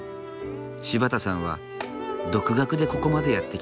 柴田さんは独学でここまでやってきた。